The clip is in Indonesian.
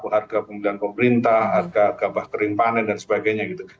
harga pembelian pemerintah harga gabah kering panen dan sebagainya gitu